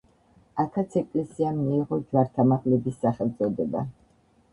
აქაც ეკლესიამ მიიღო ჯვართამაღლების სახელწოდება.